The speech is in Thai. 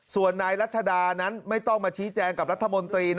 ส่วนนายรัชดานั้นไม่ต้องมาชี้แจงกับรัฐมนตรี